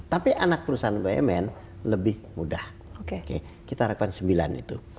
tapi anak perusahaan bumn lebih mudah kita harapkan sembilan itu